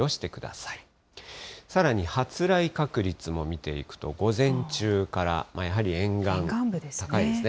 さらに発雷確率も見ていくと、午前中から、やはり沿岸部高いですね。